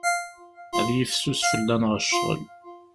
Ad yifsus fell-aneɣ ccɣel.